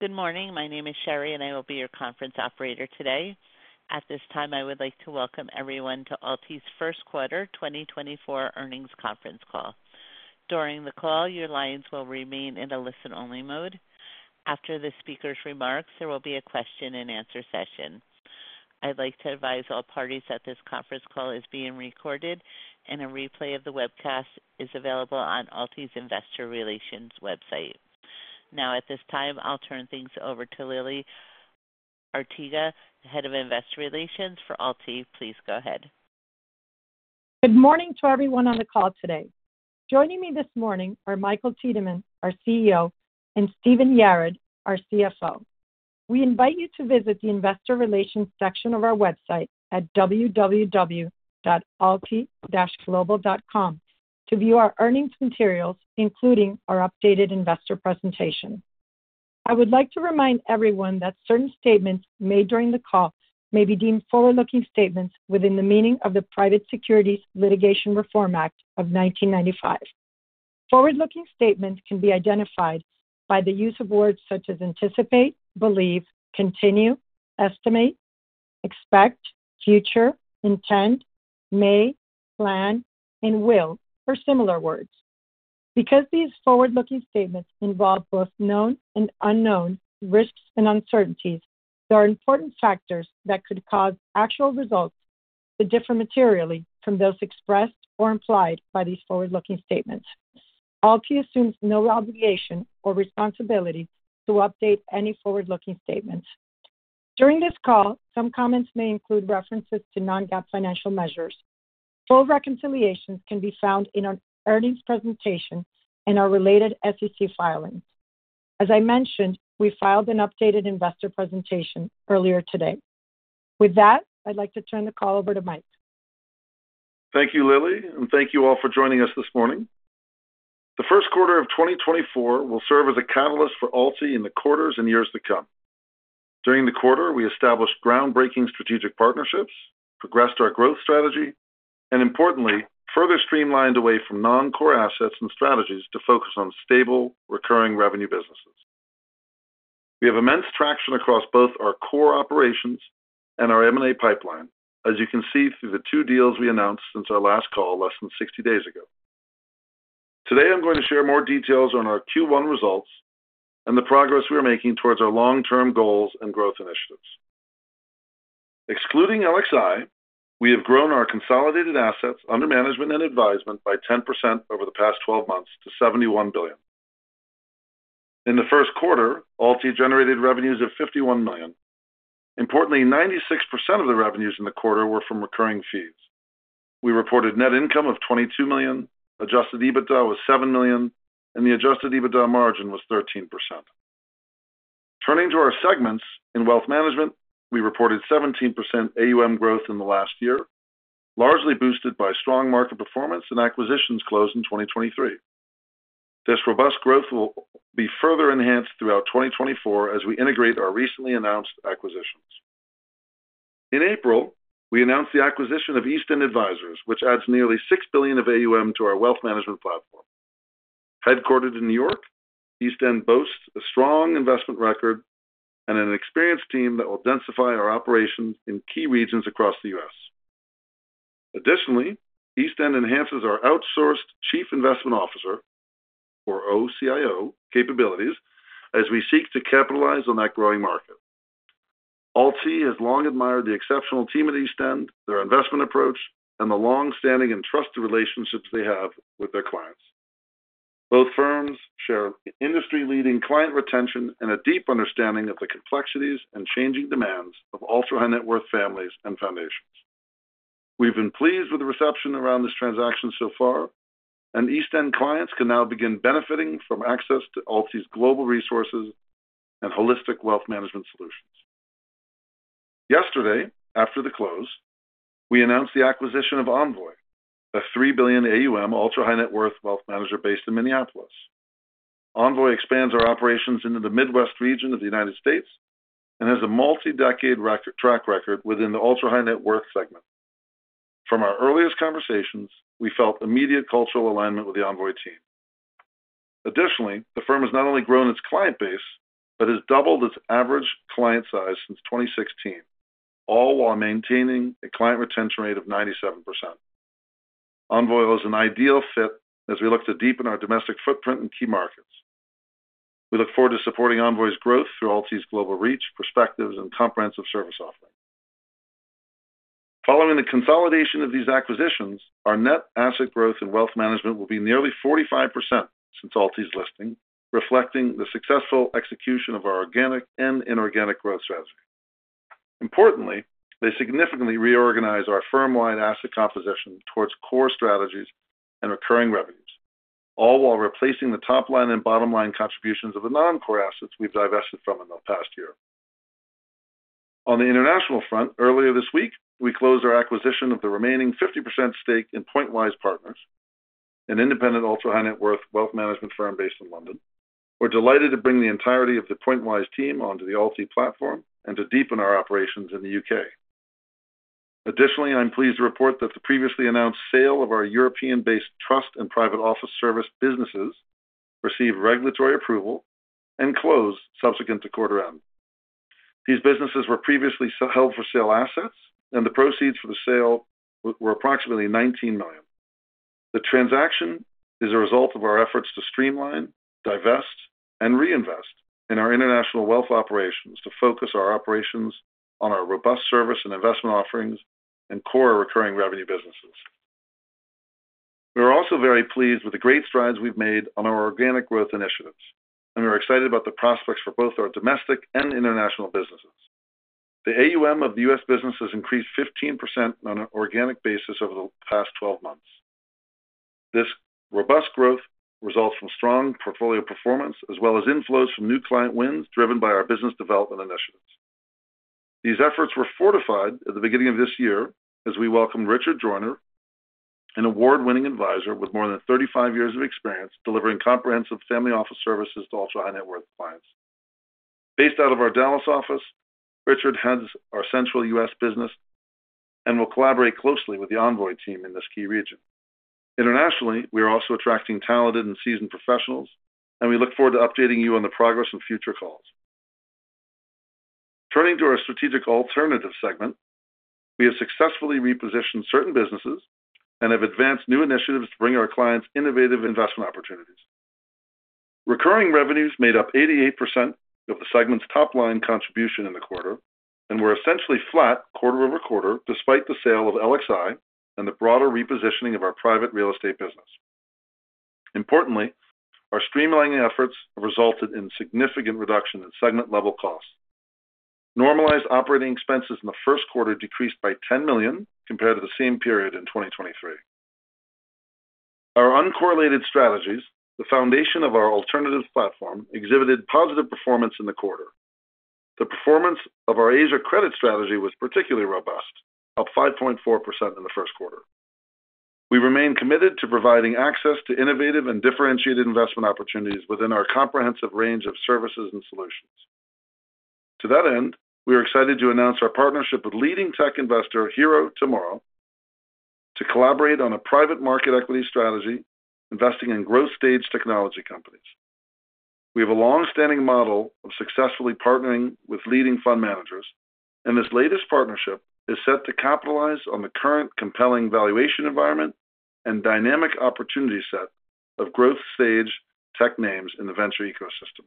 Good morning. My name is Sherry, and I will be your conference operator today. At this time, I would like to Welcome Everyone to AlTi's First Quarter 2024 Earnings Conference Call. During the call, your lines will remain in a listen-only mode. After the speaker's remarks, there will be a question-and-answer session. I'd like to advise all parties that this conference call is being recorded, and a replay of the webcast is available on AlTi's Investor Relations website. Now, at this time, I'll turn things over to Lily Arteaga, Head of Investor Relations for AlTi. Please go ahead. Good morning to everyone on the call today. Joining me this morning are Michael Tiedemann, our CEO, and Stephen Yarad, our CFO. We invite you to visit the Investor Relations section of our website at www.alti-global.com to view our earnings materials, including our updated investor presentation. I would like to remind everyone that certain statements made during the call may be deemed forward-looking statements within the meaning of the Private Securities Litigation Reform Act of 1995. Forward-looking statements can be identified by the use of words such as anticipate, believe, continue, estimate, expect, future, intend, may, plan, and will, or similar words. Because these forward-looking statements involve both known and unknown risks and uncertainties, there are important factors that could cause actual results to differ materially from those expressed or implied by these forward-looking statements. AlTi assumes no obligation or responsibility to update any forward-looking statements. During this call, some comments may include references to Non-GAAP financial measures. Full reconciliations can be found in an earnings presentation and our related SEC filings. As I mentioned, we filed an updated investor presentation earlier today. With that, I'd like to turn the call over to Mike. Thank you, Lily, and thank you all for joining us this morning. The first quarter of 2024 will serve as a catalyst for AlTi in the quarters and years to come. During the quarter, we established groundbreaking strategic partnerships, progressed our growth strategy, and importantly, further streamlined away from non-core assets and strategies to focus on stable, recurring revenue businesses. We have immense traction across both our core operations and our M&A pipeline, as you can see through the two deals we announced since our last call less than 60 days ago. Today, I'm going to share more details on our Q1 results and the progress we are making towards our long-term goals and growth initiatives. Excluding LXi, we have grown our consolidated assets under management and advisement by 10% over the past 12 months to $71 billion. In the first quarter, AlTi generated revenues of $51 million. Importantly, 96% of the revenues in the quarter were from recurring fees. We reported net income of $22 million, Adjusted EBITDA was $7 million, and the Adjusted EBITDA margin was 13%. Turning to our segments in Wealth Management, we reported 17% AUM growth in the last year, largely boosted by strong market performance and acquisitions closed in 2023. This robust growth will be further enhanced throughout 2024 as we integrate our recently announced acquisitions. In April, we announced the acquisition of East End Advisors, which adds nearly $6 billion of AUM to our Wealth Management platform. Headquartered in New York, East End boasts a strong investment record and an experienced team that will densify our operations in key regions across the US. Additionally, East End enhances our Outsourced Chief Investment Officer, or OCIO, capabilities as we seek to capitalize on that growing market. AlTi has long admired the exceptional team at East End, their investment approach, and the longstanding and trusted relationships they have with their clients. Both firms share industry-leading client retention and a deep understanding of the complexities and changing demands of ultra-high-net-worth families and foundations. We've been pleased with the reception around this transaction so far, and East End clients can now begin benefiting from access to AlTi's global resources and holistic wealth management solutions. Yesterday, after the close, we announced the acquisition of Envoi, a $3 billion AUM ultra-high-net-worth wealth manager based in Minneapolis. Envoi expands our operations into the Midwest region of the United States and has a multi-decade track record within the ultra-high-net-worth segment. From our earliest conversations, we felt immediate cultural alignment with the Envoi team. Additionally, the firm has not only grown its client base but has doubled its average client size since 2016, all while maintaining a client retention rate of 97%. Envoi was an ideal fit as we look to deepen our domestic footprint in key markets. We look forward to supporting Envoi's growth through AlTi's global reach, perspectives, and comprehensive service offering. Following the consolidation of these acquisitions, our net asset growth in wealth management will be nearly 45% since AlTi's listing, reflecting the successful execution of our organic and inorganic growth strategy. Importantly, they significantly reorganize our firm-wide asset composition towards core strategies and recurring revenues, all while replacing the top-line and bottom-line contributions of the non-core assets we've divested from in the past year. On the international front, earlier this week, we closed our acquisition of the remaining 50% stake in Point Wyatt Partners, an independent ultra-high-net-worth wealth management firm based in London. We're delighted to bring the entirety of the Point Wyatt team onto the AlTi platform and to deepen our operations in the U.K. Additionally, I'm pleased to report that the previously announced sale of our European-based trust and private office service businesses received regulatory approval and closed subsequent to quarter end. These businesses were previously held for sale assets, and the proceeds for the sale were approximately $19 million. The transaction is a result of our efforts to streamline, divest, and reinvest in our international wealth operations to focus our operations on our robust service and investment offerings and core recurring revenue businesses. We are also very pleased with the great strides we've made on our organic growth initiatives, and we're excited about the prospects for both our domestic and international businesses. The AUM of the U.S. business has increased 15% on an organic basis over the past 12 months. This robust growth results from strong portfolio performance as well as inflows from new client wins driven by our business development initiatives. These efforts were fortified at the beginning of this year as we welcomed Richard Joyner, an award-winning advisor with more than 35 years of experience delivering comprehensive Family Office services to Ultra-High-Net-Worth clients. Based out of our Dallas office, Richard heads our central U.S. business and will collaborate closely with the Envoi team in this key region. Internationally, we are also attracting talented and seasoned professionals, and we look forward to updating you on the progress in future calls. Turning to our strategic alternative segment, we have successfully repositioned certain businesses and have advanced new initiatives to bring our clients innovative investment opportunities. Recurring revenues made up 88% of the segment's top-line contribution in the quarter and were essentially flat quarter over quarter despite the sale of LXi and the broader repositioning of our private real estate business. Importantly, our streamlining efforts have resulted in significant reduction in segment-level costs. Normalized operating expenses in the first quarter decreased by $10 million compared to the same period in 2023. Our uncorrelated strategies, the foundation of our alternative platform, exhibited positive performance in the quarter. The performance of our Asia Credit Strategy was particularly robust, up 5.4% in the first quarter. We remain committed to providing access to innovative and differentiated investment opportunities within our comprehensive range of services and solutions. To that end, we are excited to announce our partnership with leading tech investor Hiro Tamura to collaborate on a private market equity strategy investing in growth-stage technology companies. We have a longstanding model of successfully partnering with leading fund managers, and this latest partnership is set to capitalize on the current compelling valuation environment and dynamic opportunity set of growth-stage tech names in the venture ecosystem.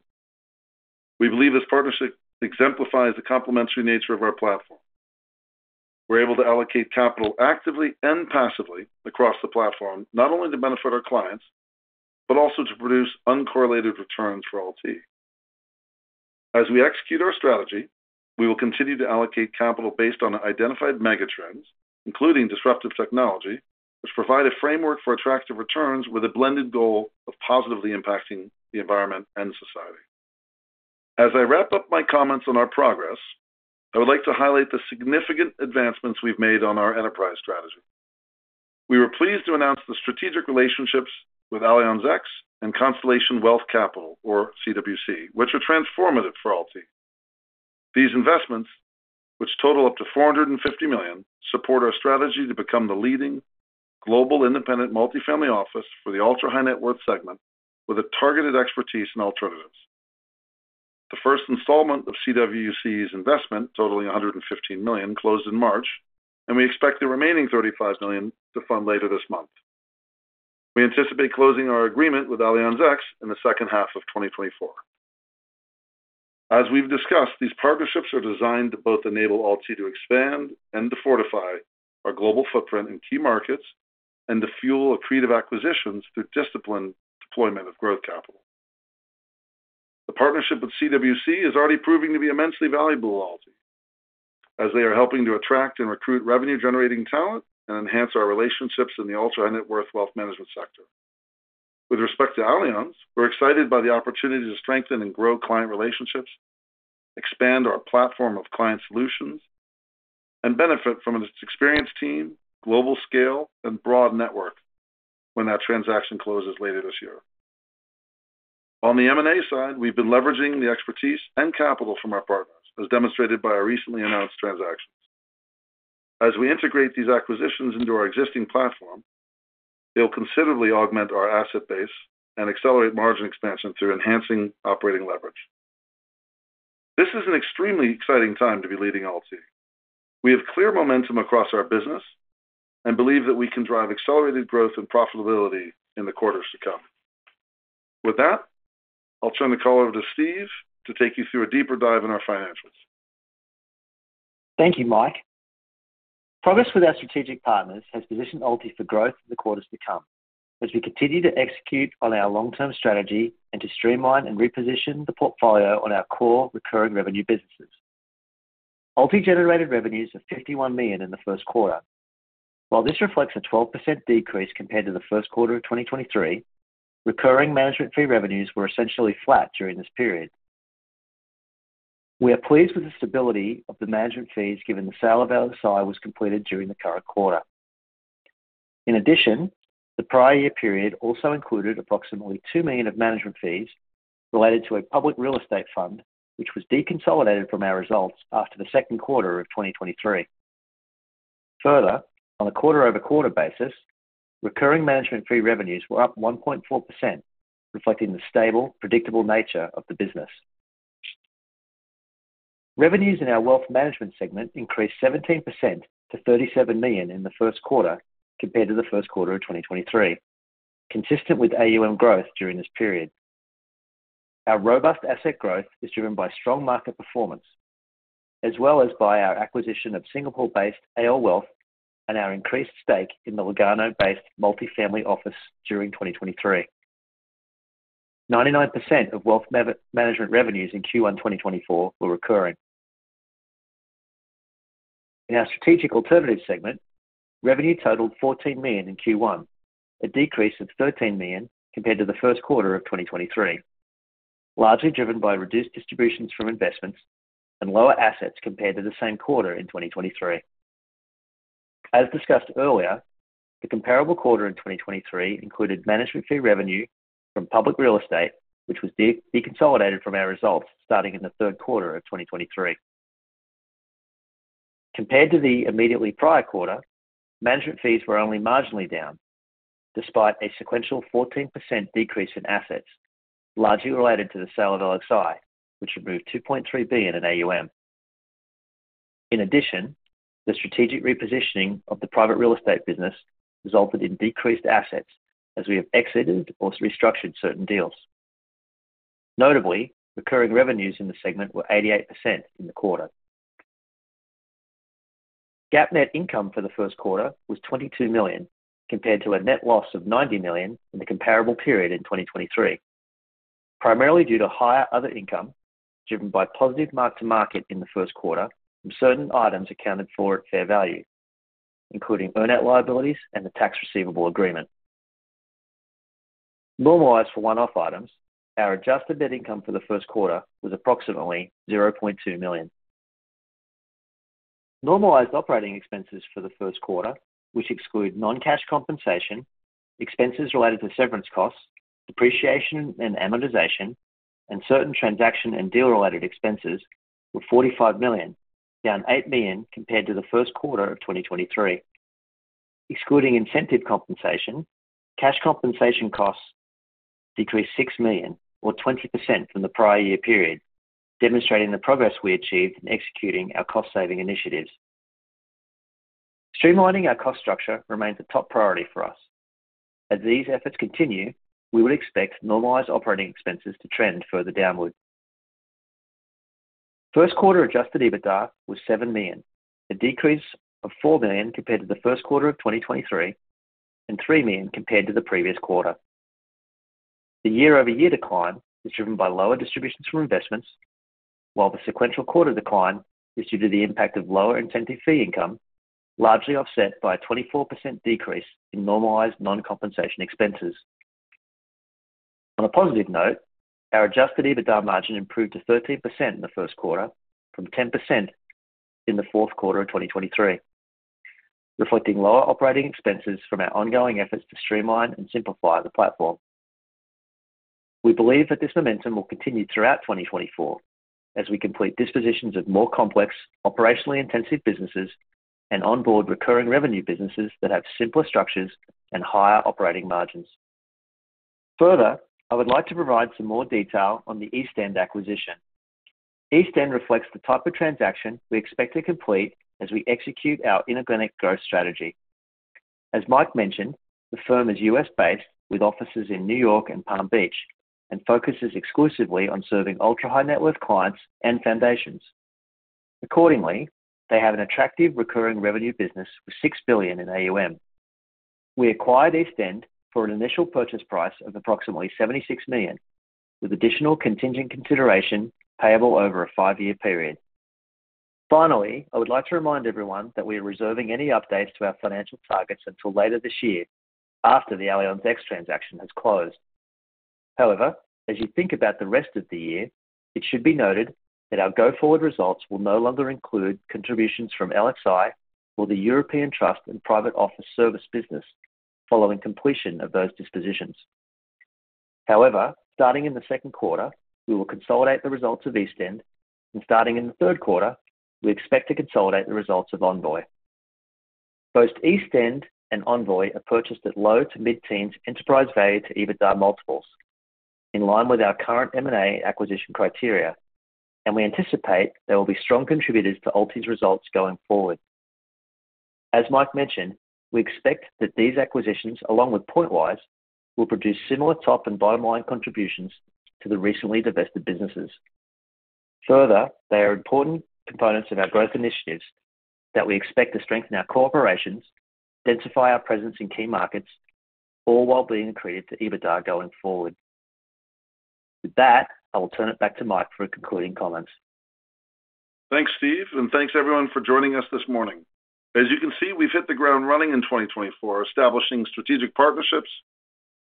We believe this partnership exemplifies the complementary nature of our platform. We're able to allocate capital actively and passively across the platform not only to benefit our clients but also to produce uncorrelated returns for AlTi. As we execute our strategy, we will continue to allocate capital based on identified megatrends, including disruptive technology, which provide a framework for attractive returns with a blended goal of positively impacting the environment and society. As I wrap up my comments on our progress, I would like to highlight the significant advancements we've made on our enterprise strategy. We were pleased to announce the strategic relationships with Allianz X and Constellation Wealth Capital, or CWC, which are transformative for AlTi. These investments, which total up to $450 million, support our strategy to become the leading global independent multifamily office for the ultra-high-net-worth segment with a targeted expertise in alternatives. The first installment of CWC's investment, totaling $115 million, closed in March, and we expect the remaining $35 million to fund later this month. We anticipate closing our agreement with Allianz X in the second half of 2024. As we've discussed, these partnerships are designed to both enable AlTi to expand and to fortify our global footprint in key markets and to fuel accretive acquisitions through disciplined deployment of growth capital. The partnership with CWC is already proving to be immensely valuable to AlTi as they are helping to attract and recruit revenue-generating talent and enhance our relationships in the ultra-high-net-worth wealth management sector. With respect to Allianz, we're excited by the opportunity to strengthen and grow client relationships, expand our platform of client solutions, and benefit from its experienced team, global scale, and broad network when that transaction closes later this year. On the M&A side, we've been leveraging the expertise and capital from our partners, as demonstrated by our recently announced transactions. As we integrate these acquisitions into our existing platform, they'll considerably augment our asset base and accelerate margin expansion through enhancing operating leverage. This is an extremely exciting time to be leading AlTi. We have clear momentum across our business and believe that we can drive accelerated growth and profitability in the quarters to come. With that, I'll turn the call over to Steve to take you through a deeper dive in our financials. Thank you, Mike. Progress with our strategic partners has positioned AlTi for growth in the quarters to come as we continue to execute on our long-term strategy and to streamline and reposition the portfolio on our core recurring revenue businesses. AlTi generated revenues of $51 million in the first quarter. While this reflects a 12% decrease compared to the first quarter of 2023, recurring management fee revenues were essentially flat during this period. We are pleased with the stability of the management fees given the sale of LXi was completed during the current quarter. In addition, the prior year period also included approximately $2 million of management fees related to a public real estate fund, which was deconsolidated from our results after the second quarter of 2023. Further, on a quarter-over-quarter basis, recurring management fee revenues were up 1.4%, reflecting the stable, predictable nature of the business. Revenues in our wealth management segment increased 17% to $37 million in the first quarter compared to the first quarter of 2023, consistent with AUM growth during this period. Our robust asset growth is driven by strong market performance as well as by our acquisition of Singapore-based AL Wealth and our increased stake in the Lugano-based multifamily office during 2023. 99% of wealth management revenues in Q1 2024 were recurring. In our strategic alternative segment, revenue totaled $14 million in Q1, a decrease of $13 million compared to the first quarter of 2023, largely driven by reduced distributions from investments and lower assets compared to the same quarter in 2023. As discussed earlier, the comparable quarter in 2023 included management fee revenue from public real estate, which was deconsolidated from our results starting in the third quarter of 2023. Compared to the immediately prior quarter, management fees were only marginally down despite a sequential 14% decrease in assets, largely related to the sale of LXi, which removed $2.3 billion in AUM. In addition, the strategic repositioning of the private real estate business resulted in decreased assets as we have exited or restructured certain deals. Notably, recurring revenues in the segment were 88% in the quarter. GAAP net income for the first quarter was $22 million compared to a net loss of $90 million in the comparable period in 2023, primarily due to higher other income driven by positive mark-to-market in the first quarter from certain items accounted for at fair value, including earn-out liabilities and the Tax Receivable Agreement. Normalized for one-off items, our adjusted net income for the first quarter was approximately $0.2 million. Normalized operating expenses for the first quarter, which exclude non-cash compensation, expenses related to severance costs, depreciation and amortization, and certain transaction and deal-related expenses, were $45 million, down $8 million compared to the first quarter of 2023. Excluding incentive compensation, cash compensation costs decreased $6 million or 20% from the prior year period, demonstrating the progress we achieved in executing our cost-saving initiatives. Streamlining our cost structure remains a top priority for us. As these efforts continue, we would expect normalized operating expenses to trend further downward. First quarter adjusted EBITDA was $7 million, a decrease of $4 million compared to the first quarter of 2023 and $3 million compared to the previous quarter. The year-over-year decline is driven by lower distributions from investments, while the sequential quarter decline is due to the impact of lower incentive fee income, largely offset by a 24% decrease in normalized non-compensation expenses. On a positive note, our Adjusted EBITDA margin improved to 13% in the first quarter from 10% in the fourth quarter of 2023, reflecting lower operating expenses from our ongoing efforts to streamline and simplify the platform. We believe that this momentum will continue throughout 2024 as we complete dispositions of more complex, operationally intensive businesses and onboard recurring revenue businesses that have simpler structures and higher operating margins. Further, I would like to provide some more detail on the East End acquisition. East End reflects the type of transaction we expect to complete as we execute our inorganic growth strategy. As Mike mentioned, the firm is U.S.-based with offices in New York and Palm Beach and focuses exclusively on serving ultra-high-net-worth clients and foundations. Accordingly, they have an attractive recurring revenue business with $6 billion in AUM. We acquired East End for an initial purchase price of approximately $76 million, with additional contingent consideration payable over a five-year period. Finally, I would like to remind everyone that we are reserving any updates to our financial targets until later this year after the Allianz X transaction has closed. However, as you think about the rest of the year, it should be noted that our go-forward results will no longer include contributions from LXI or the European Trust and Private Office Service business following completion of those dispositions. However, starting in the second quarter, we will consolidate the results of East End, and starting in the third quarter, we expect to consolidate the results of Envoi. Both East End and Envoi are purchased at low- to mid-teens enterprise value to EBITDA multiples in line with our current M&A acquisition criteria, and we anticipate there will be strong contributors to AlTi's results going forward. As Mike mentioned, we expect that these acquisitions, along with Point Wyatt, will produce similar top- and bottom-line contributions to the recently divested businesses. Further, they are important components of our growth initiatives that we expect to strengthen our corporations, densify our presence in key markets, all while being accretive to EBITDA going forward. With that, I will turn it back to Mike for concluding comments. Thanks, Steve, and thanks everyone for joining us this morning. As you can see, we've hit the ground running in 2024, establishing strategic partnerships,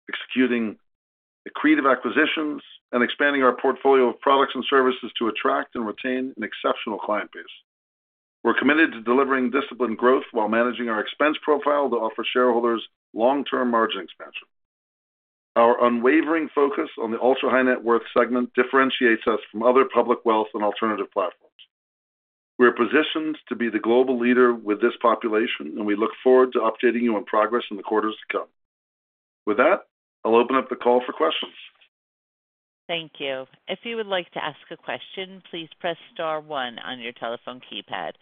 executing accretive acquisitions, and expanding our portfolio of products and services to attract and retain an exceptional client base. We're committed to delivering disciplined growth while managing our expense profile to offer shareholders long-term margin expansion. Our unwavering focus on the ultra-high-net-worth segment differentiates us from other public wealth and alternative platforms. We are positioned to be the global leader with this population, and we look forward to updating you on progress in the quarters to come. With that, I'll open up the call for questions. Thank you. If you would like to ask a question, please press star one on your telephone keypad.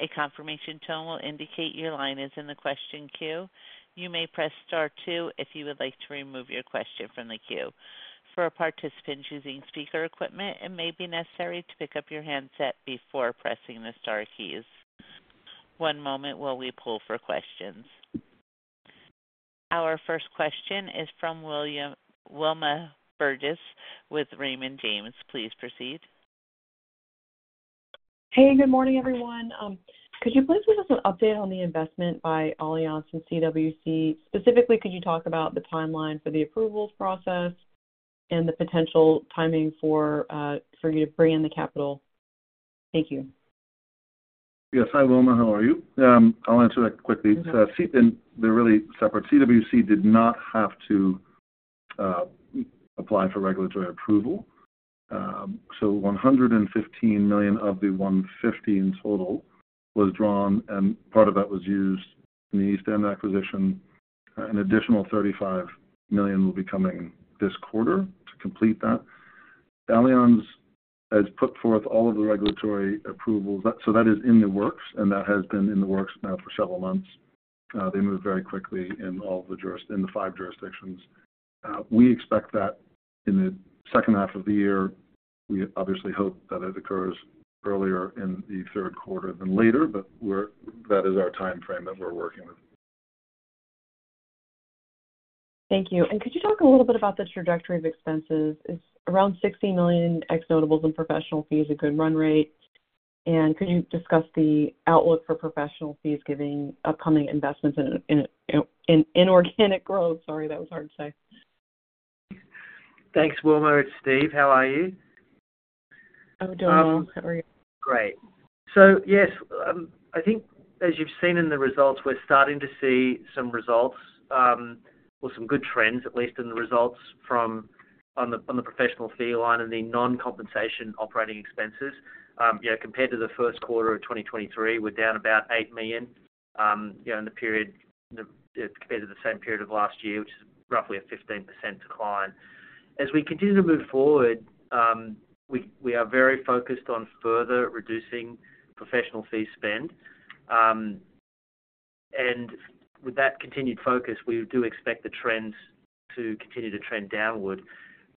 A confirmation tone will indicate your line is in the question queue. You may press star 2 if you would like to remove your question from the queue. For participants using speaker equipment, it may be necessary to pick up your handset before pressing the star keys. One moment while we pull for questions. Our first question is from Wilma Burdis with Raymond James. Please proceed. Hey, good morning, everyone. Could you please give us an update on the investment by Allianz and CWC? Specifically, could you talk about the timeline for the approvals process and the potential timing for you to bring in the capital? Thank you. Yes, hi, Wilma. How are you? I'll answer that quickly. They're really separate. CWC did not have to apply for regulatory approval. So $115 million of the $150 million in total was drawn, and part of that was used in the East End acquisition. An additional $35 million will be coming this quarter to complete that. Allianz has put forth all of the regulatory approvals, so that is in the works, and that has been in the works now for several months. They moved very quickly in all of the five jurisdictions. We expect that in the second half of the year. We obviously hope that it occurs earlier in the third quarter than later, but that is our timeframe that we're working with. Thank you. And could you talk a little bit about the trajectory of expenses? Is around $60 million ex-notables and professional fees a good run rate? And could you discuss the outlook for professional fees giving upcoming investments in organic growth? Sorry, that was hard to say. Thanks, Wilma. It's Steve. How are you? Oh, doing well. How are you? Great. So yes, I think as you've seen in the results, we're starting to see some results or some good trends, at least in the results on the professional fee line and the non-compensation operating expenses. Compared to the first quarter of 2023, we're down about $8 million in the period compared to the same period of last year, which is roughly a 15% decline. As we continue to move forward, we are very focused on further reducing professional fee spend. And with that continued focus, we do expect the trends to continue to trend downward.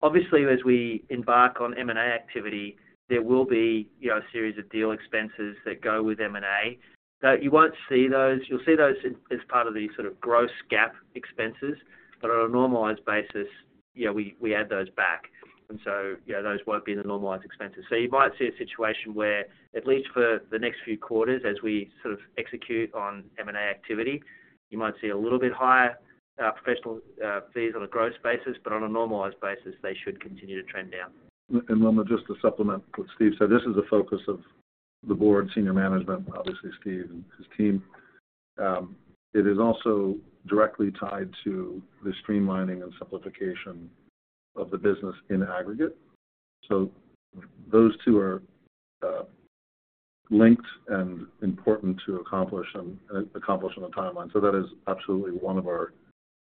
Obviously, as we embark on M&A activity, there will be a series of deal expenses that go with M&A. You won't see those. You'll see those as part of the sort of GAAP expenses, but on a normalized basis, we add those back. And so those won't be in the normalized expenses. You might see a situation where, at least for the next few quarters, as we sort of execute on M&A activity, you might see a little bit higher professional fees on a gross basis, but on a normalized basis, they should continue to trend down. And Wilma, just to supplement what Steve said, this is a focus of the board, senior management, obviously, Steve and his team. It is also directly tied to the streamlining and simplification of the business in aggregate. So those two are linked and important to accomplish on the timeline. So that is absolutely one of our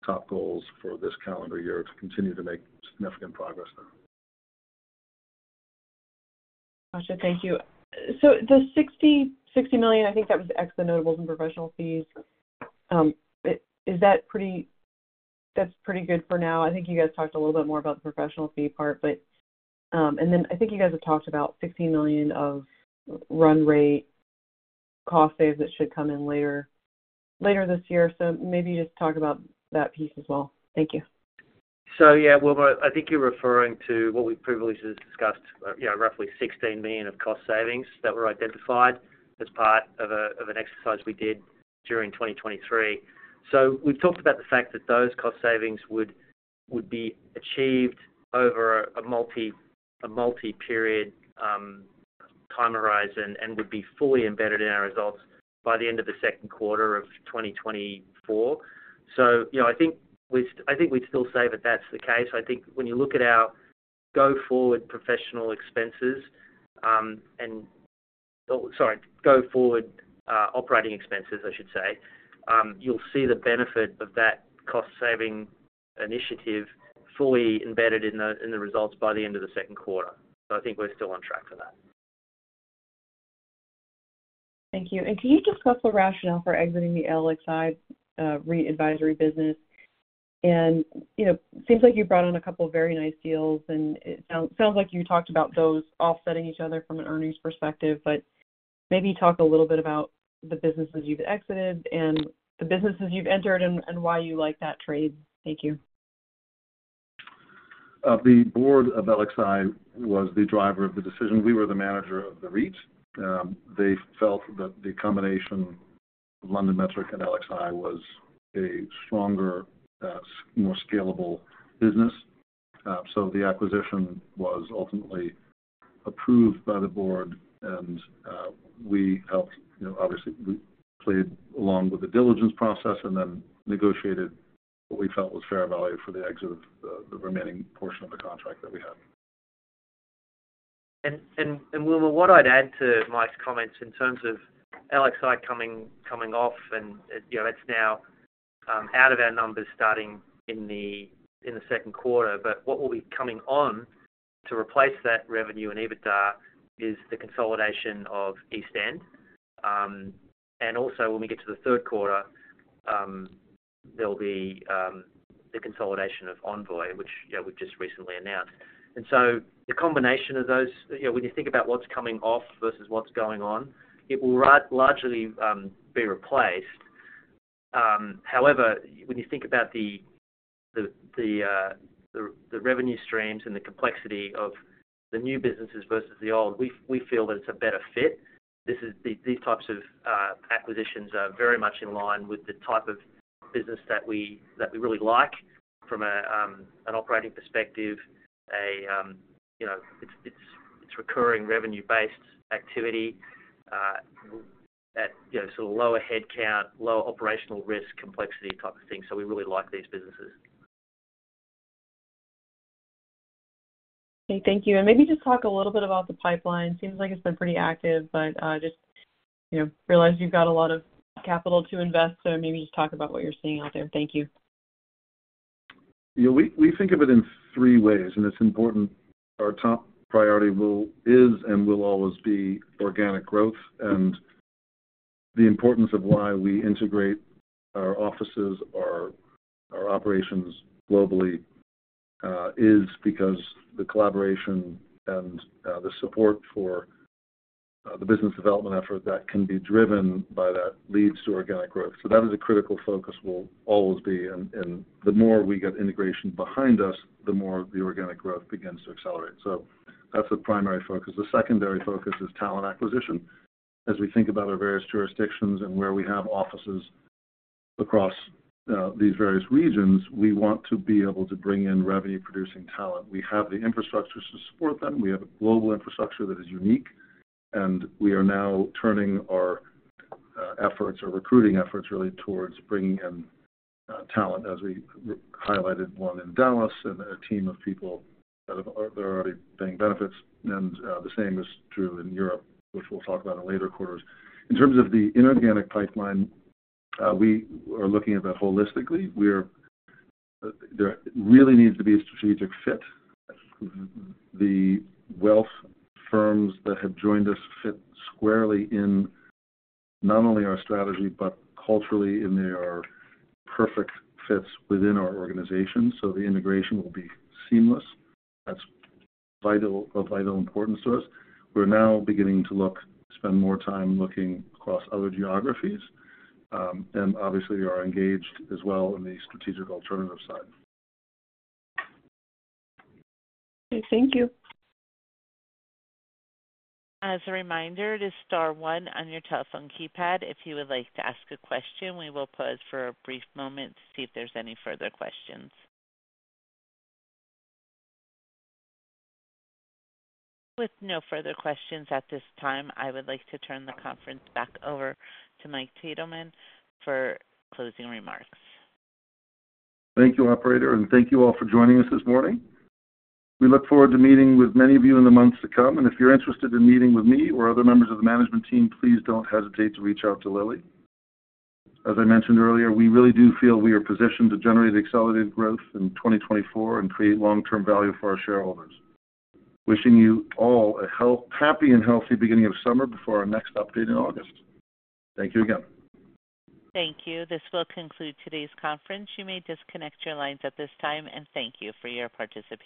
top goals for this calendar year to continue to make significant progress there. Gotcha. Thank you. So the $60 million, I think that was ex-notables and professional fees. That's pretty good for now. I think you guys talked a little bit more about the professional fee part. And then I think you guys have talked about $16 million of run rate cost saves that should come in later this year. So maybe just talk about that piece as well. Thank you. So yeah, Wilma, I think you're referring to what we previously discussed, roughly $16 million of cost savings that were identified as part of an exercise we did during 2023. So we've talked about the fact that those cost savings would be achieved over a multi-period time horizon and would be fully embedded in our results by the end of the second quarter of 2024. So I think we'd still say that that's the case. I think when you look at our go-forward professional expenses and sorry, go-forward operating expenses, I should say, you'll see the benefit of that cost-saving initiative fully embedded in the results by the end of the second quarter. So I think we're still on track for that. Thank you. Can you discuss the rationale for exiting the LXi REIT advisory business? It seems like you brought on a couple of very nice deals, and it sounds like you talked about those offsetting each other from an earnings perspective. But maybe talk a little bit about the businesses you've exited and the businesses you've entered and why you like that trade. Thank you. The board of LXi was the driver of the decision. We were the manager of the REIT. They felt that the combination of LondonMetric Property and LXi was a stronger, more scalable business. The acquisition was ultimately approved by the board, and we helped obviously; we played along with the diligence process and then negotiated what we felt was fair value for the exit of the remaining portion of the contract that we had. And Wilma, what I'd add to Mike's comments in terms of LXi coming off, and it's now out of our numbers starting in the second quarter. But what will be coming on to replace that revenue and EBITDA is the consolidation of East End. Also, when we get to the third quarter, there'll be the consolidation of Envoi, which we've just recently announced. So the combination of those when you think about what's coming off versus what's going on, it will largely be replaced. However, when you think about the revenue streams and the complexity of the new businesses versus the old, we feel that it's a better fit. These types of acquisitions are very much in line with the type of business that we really like from an operating perspective. It's recurring revenue-based activity at sort of lower headcount, lower operational risk, complexity type of thing. We really like these businesses. Okay. Thank you. Maybe just talk a little bit about the pipeline. Seems like it's been pretty active, but just realize you've got a lot of capital to invest. Maybe just talk about what you're seeing out there. Thank you. Yeah. We think of it in three ways, and it's important. Our top priority is and will always be organic growth. And the importance of why we integrate our offices, our operations globally is because the collaboration and the support for the business development effort that can be driven by that leads to organic growth. So that is a critical focus will always be. And the more we get integration behind us, the more the organic growth begins to accelerate. So that's the primary focus. The secondary focus is talent acquisition. As we think about our various jurisdictions and where we have offices across these various regions, we want to be able to bring in revenue-producing talent. We have the infrastructure to support them. We have a global infrastructure that is unique. We are now turning our efforts or recruiting efforts really towards bringing in talent, as we highlighted one in Dallas and a team of people that are already paying benefits. The same is true in Europe, which we'll talk about in later quarters. In terms of the inorganic pipeline, we are looking at that holistically. There really needs to be a strategic fit. The wealth firms that have joined us fit squarely in not only our strategy but culturally in their perfect fits within our organization. So the integration will be seamless. That's of vital importance to us. We're now beginning to spend more time looking across other geographies. Obviously, we are engaged as well in the strategic alternative side. Okay. Thank you. As a reminder, just star 1 on your telephone keypad. If you would like to ask a question, we will pause for a brief moment to see if there's any further questions. With no further questions at this time, I would like to turn the conference back over to Mike Tiedemann for closing remarks. Thank you, operator, and thank you all for joining us this morning. We look forward to meeting with many of you in the months to come. If you're interested in meeting with me or other members of the management team, please don't hesitate to reach out to Lily. As I mentioned earlier, we really do feel we are positioned to generate accelerated growth in 2024 and create long-term value for our shareholders. Wishing you all a happy and healthy beginning of summer before our next update in August. Thank you again. Thank you. This will conclude today's conference. You may disconnect your lines at this time. Thank you for your participation.